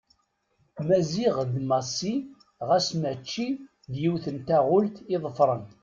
Maziɣ d Massi ɣas mačči d yiwet n taɣult i ḍeffren.